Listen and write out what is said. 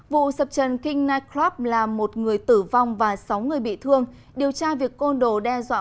vụ sập trần king nightclub là một người tử vong và sáu người bị thương điều tra việc côn đồ đe dọa